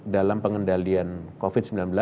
dalam pengendalian covid sembilan belas